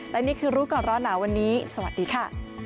และนี่คือรู้ก่อนร้อนหนาวันนี้สวัสดีค่ะ